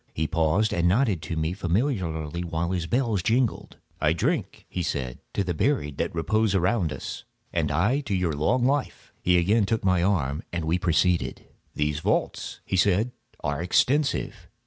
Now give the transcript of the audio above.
He paused and nodded to me familiarly, while his bells jingled. "I drink," he said, "to the buried that repose around us." "And I to your long life." He again took my arm, and we proceeded. "These vaults," he said, "are extensive."